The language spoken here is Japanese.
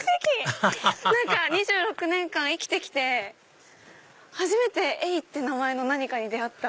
アハハハ何か２６年間生きてきて初めて「エイ」って名前の何かに出会った！